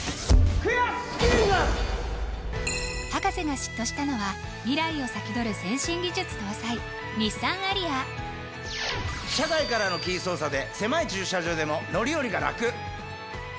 博士が嫉妬したのは未来を先取る先進技術搭載日産アリア車外からのキー操作で狭い駐車場でも乗り降りがラク！